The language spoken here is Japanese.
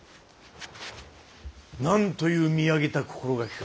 なんという見上げた心がけか。